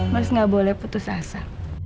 mas nggak boleh putus asa